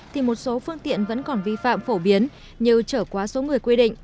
thì một số phương tiện vẫn còn vi phạm phổ biến như trở quá số người quy định